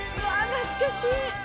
懐かしい。